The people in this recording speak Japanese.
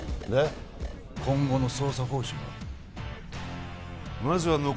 で今後の捜査方針は？